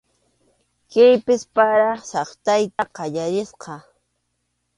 Kaypis para saqtayta qallarisqa.